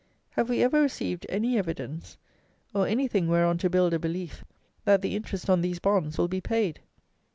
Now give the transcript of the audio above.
Have we ever received any evidence, or anything whereon to build a belief, that the interest on these bonds will be paid?